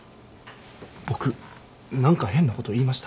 僕何か変なこと言いました？